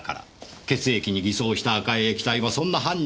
血液に偽装した赤い液体もそんな犯人の苦肉の策である。